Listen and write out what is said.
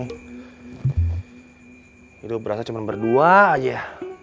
hidup berasa cuma berdua aja ya